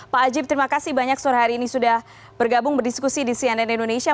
pak ajib terima kasih banyak sore hari ini sudah bergabung berdiskusi di cnn indonesia